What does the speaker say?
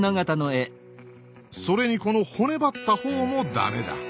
それにこの骨張った頬も駄目だ。